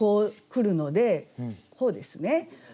来るのでこうですね。